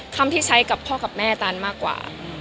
คำที่ใช้กับพ่อกับแม่ตันมากกว่า